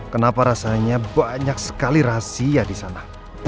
kenapa rasanya banyak sekali rahasia di sana